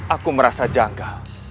aku merasa jangga